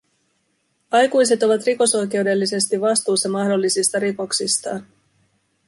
Aikuiset ovat rikosoikeudellisesti vastuussa mahdollisista rikoksistaan.